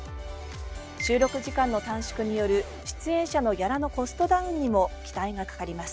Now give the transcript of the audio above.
収録時間の短縮による出演者のギャラのコストダウンにも期待がかかります。